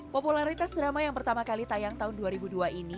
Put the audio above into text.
popularitas drama yang pertama kali tayang tahun dua ribu dua ini